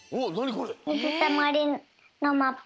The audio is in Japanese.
これ！